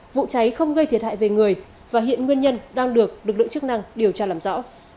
vụ cháy không gây thiệt hại về người và hiện nguyên nhân đang được lực lượng chức năng điều tra làm rõ